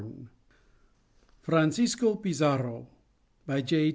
] FRANCISCO PIZARRO By J.